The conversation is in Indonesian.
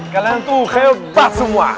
kalian tuh hebat semua